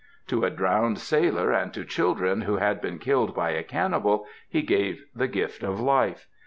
To a drowned sailor and to children who had been killed by a cannibal he gave the gift of life.